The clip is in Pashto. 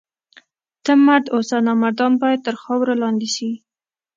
ته مرد اوسه! نامردان باید تر خاورو لاندي سي.